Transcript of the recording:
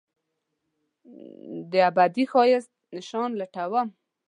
دابدي ښایست نشان لټوم